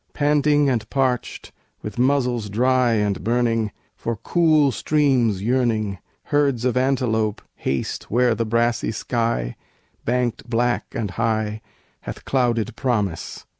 Panting and parched, with muzzles dry and burning, For cool streams yearning, herds of antelope Haste where the brassy sky, banked black and high, Hath clouded promise.